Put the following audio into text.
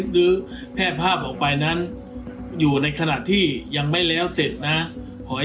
หรือแพร่ภาพออกไปนั้นอยู่ในขณะที่ยังไม่แล้วเสร็จนะฮะ